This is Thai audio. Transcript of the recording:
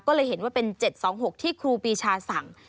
ก็เลยเห็นว่าเป็น๗๒๖ที่ครูปีชาสั่ง